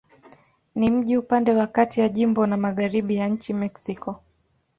Ni mji upande wa kati ya jimbo na magharibi ya nchi Mexiko.